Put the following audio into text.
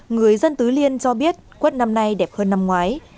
người dân tứ liên cho biết quất năm nay đẹp hơn năm ngoái